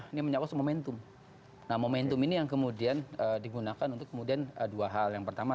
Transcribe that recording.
ini menyawas momentum nah momentum ini yang kemudian digunakan untuk kemudian dua hal yang pertama